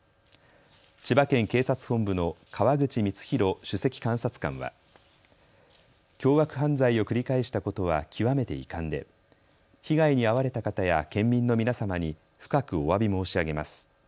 千葉県警察本部の川口光浩首席監察官は凶悪犯罪を繰り返したことは極めて遺憾で被害に遭われた方や県民の皆様に深くおわび申し上げます。